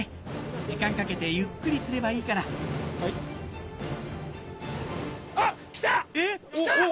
時間かけてゆっくり釣ればいいから来た！